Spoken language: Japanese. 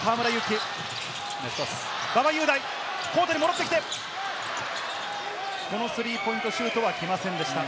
馬場雄大、コートに戻ってきて、このスリーポイントシュートは来ませんでした。